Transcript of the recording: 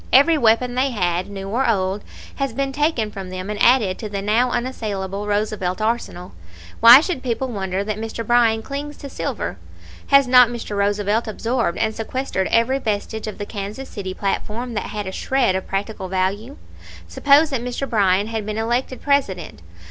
Every weapon they had, new or old, has been taken from them and added to the now unassailable Roosevelt arsenal. Why should people wonder that Mr. Bryan clings to silver? Has not Mr. Roosevelt absorbed and sequestered every vestige of the Kansas City platform that had a shred of practical value? Suppose that Mr. Bryan had been elected President.